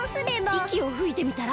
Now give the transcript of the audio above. いきをふいてみたら？